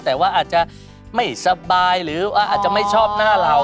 แต่ว่าอาจจะไม่สบายหรือว่าอาจจะไม่ชอบหน้าเรา